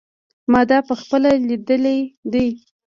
ما دا په خپله لیدلی دی.